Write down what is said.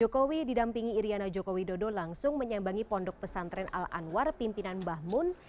jokowi didampingi iryana jokowi dodo langsung menyambangi pondok pesantren al anwar pimpinan bahmun